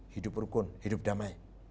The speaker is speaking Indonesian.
hidup rukun hidup damai